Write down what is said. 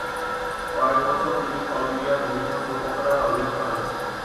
কয়েক বছর তিনি কলম্বিয়ার বিভিন্ন সোপ অপেরায় অভিনয় করেন।